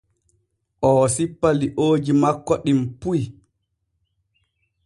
Oo sippa liooji makko ɗim puy.